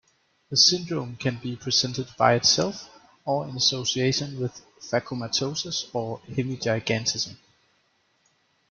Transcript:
The syndrome can be presented by itself or in association with phakomatosis or hemigigantism.